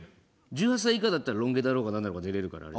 １８歳以下だったらロン毛だろうがなんだろうが出れるからあれ。